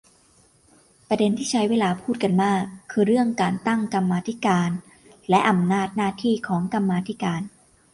ประเด็นที่ใช้เวลาพูดกันมาก คือเรื่องการตั้งกรรมมาธิการ และ อำนาจหน้าที่ของกรรมาธิการ